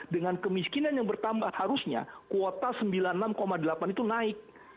dengan kemiskinan yang bertambah harusnya kuota sembilan puluh enam delapan itu naik